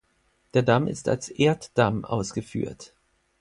Der Damm ist als Erddamm ausgeführt.